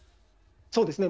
そうですね。